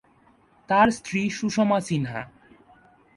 তার স্ত্রী সুষমা সিনহা।